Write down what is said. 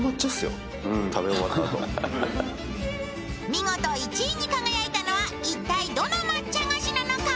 見事１位に輝いたのは一体どの抹茶菓子なのか。